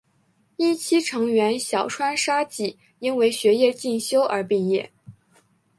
一期成员小川纱季因为学业进修而毕业。